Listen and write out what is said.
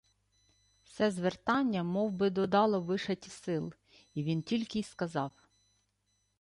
Се звертання мовби додало Вишаті сил, і він тільки й сказав: